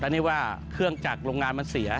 แล้วนี่ว่าเครื่องจักรลงงานมันเสีย